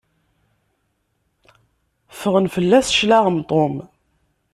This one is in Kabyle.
Ffɣen fell-as cclaɣem Tom.